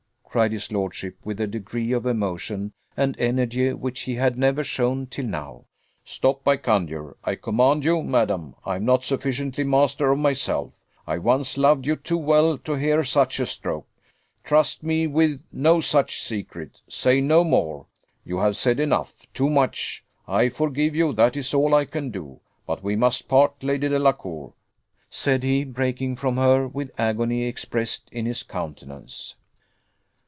cried his lordship, with a degree of emotion and energy which he had never shown till now: "stop, I conjure, I command you, madam! I am not sufficiently master of myself I once loved you too well to hear such a stroke. Trust me with no such secret say no more you have said enough too much. I forgive you, that is all I can do: but we must part, Lady Delacour!" said he, breaking from her with agony expressed in his countenance.